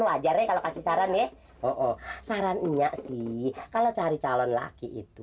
wajarnya kalau kasih saran ya oh saran eminya sih kalau cari calon laki itu